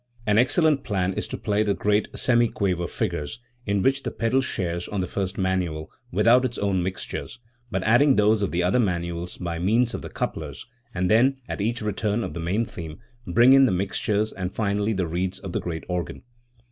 An excellent plan is to play the great semiquaver figures, in which the pedal shares, on the first manual, without its own mixtures, but adding those of the other manuals by means of the couplers, and then, at each return of the main theme, bring in the mixtures and finally the reeds of the great organ.